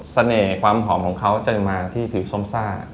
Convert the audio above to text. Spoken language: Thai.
ความหอมของเขาจะมาที่ผิวส้มซ่า